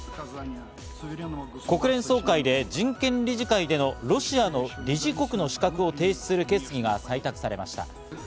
国連総会で人権理事会でのロシアの理事国の資格を停止する決議が採択されました。